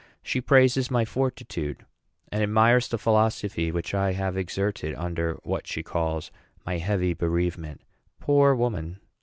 She praises my fortitude, and admires the philosophy which I have exerted under what she calls my heavy bereavement. Poor woman!